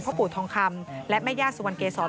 ปู่ทองคำและแม่ย่าสุวรรณเกษร